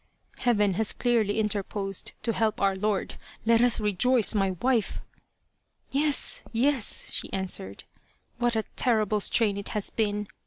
Heaven has clearly interposed to help our lord. Let us rejoice, my wife !"" Yes, yes," she answered, " what a terrible strain it has been